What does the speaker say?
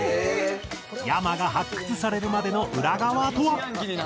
ｙａｍａが発掘されるまでの裏側とは？